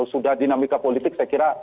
sudah dinamika politik saya kira